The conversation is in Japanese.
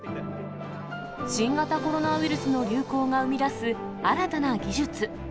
新型コロナウイルスの流行が生み出す新たな技術。